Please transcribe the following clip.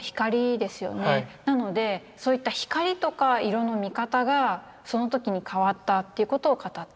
なのでそういった光とか色の見方がその時に変わったということを語っています。